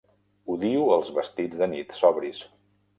Odio els vestits de nit sobris.